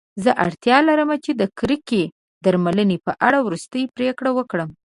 زه اړتیا لرم چې د کړکۍ درملنې په اړه وروستۍ پریکړه وکړم.